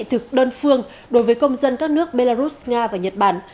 thực đơn phương đối với công dân các nước belarus nga và nhật bản